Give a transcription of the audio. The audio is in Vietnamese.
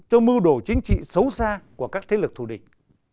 cho mưu đồ chính trị xấu xa của các thế lực thù địch